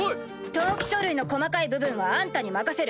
登記書類の細かい部分はあんたに任せる。